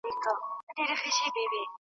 له ازل سره په جنګ یم پر راتلو مي یم پښېمانه .